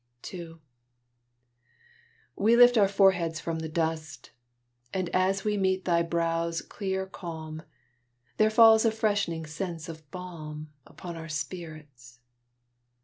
II We lift our foreheads from the dust; And as we meet thy brow's clear calm, There falls a freshening sense of balm Upon our spirits.